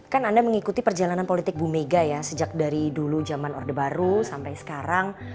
kan anda mengikuti perjalanan politik bu mega ya sejak dari dulu zaman orde baru sampai sekarang